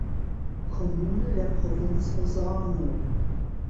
Kommune der Provinz Osorno.